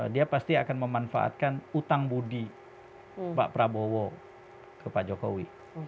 dia pasti akan memanfaatkan utang budi pak prabowo ke pak jokowi